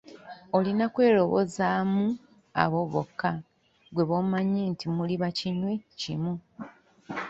Olina kwerobozaamu abo bokka ggwe b'omanyi nti muli bakinywi kimu.